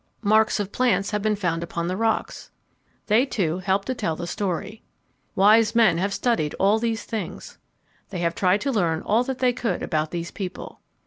Marks of plants have been found upon the rocks. They, too, help to tell the story. Wise men have studied all these things. They have tried to learn all that they could about these people.